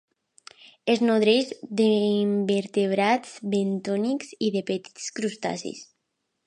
Es nodreix d'invertebrats bentònics i de petits crustacis.